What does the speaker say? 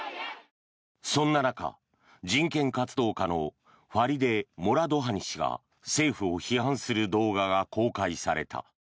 そんな中、人権活動家のファリデ・モラドハニ氏が政府を批判する動画が公開された。